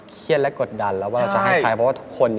เครียดและกดดัน